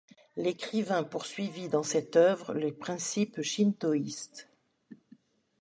L'écrivain poursuivit dans cette œuvre les principes shintoïstes.